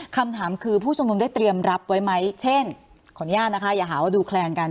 คำถามคือผู้ชมนุมได้เตรียมรับไว้ไหมเช่นขออนุญาตนะคะอย่าหาว่าดูแคลนกัน